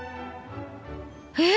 えっ！